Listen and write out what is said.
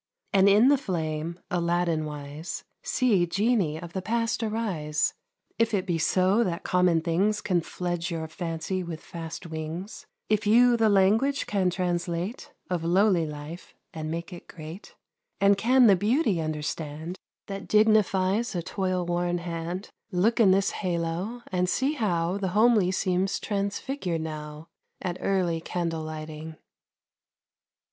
And in the flame, Alladin wise, See genii of the past arise. If it be so that common things Can fledge your fancy with fast wings; If you the language can translate Of lowly life, and make it great, And can the beauty understand That dignifies a toil worn hand, Look in this halo, and see how The homely seems transfigured now At early candle lighting.